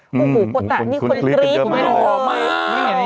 โอ้โหโคตะมิอุระคนกรี๊ดกันเยอะมากเลย